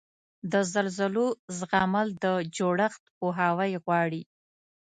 د زلزلو زغمل د جوړښت پوهاوی غواړي.